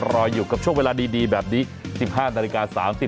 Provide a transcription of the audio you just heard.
รออยู่กับช่วงเวลาดีแบบนี้สิบห้านาฬิกาสามสิบ